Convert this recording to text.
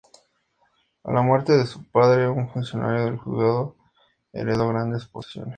A la muerte de su padre, un funcionario del juzgado, heredó grandes posesiones.